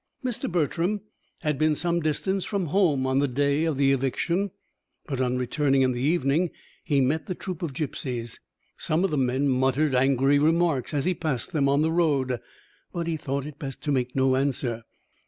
Mr. Bertram had been some distance from home on the day of the eviction; but on returning in the evening he met the troop of gipsies. Some of the men muttered angry remarks as he passed them on the road, but he thought it best to make no answer.